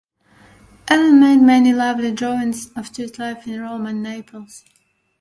Allan made many lively drawings of street life in Rome and Naples.